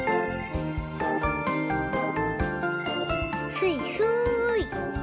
すいすい。